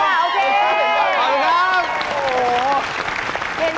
ใช่มามั้ยกาลับค์นียก